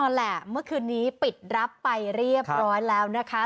แหละเมื่อคืนนี้ปิดรับไปเรียบร้อยแล้วนะคะ